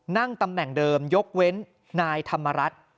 นั่งตำแหน่งเดิมยกเว้นนายธรรมรัฐ